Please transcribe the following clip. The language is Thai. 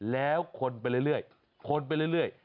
แล้วคลนไปเรื่อย